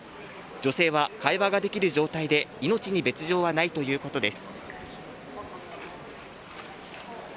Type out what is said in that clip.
女性は会話ができる状態で命に別状はないということです。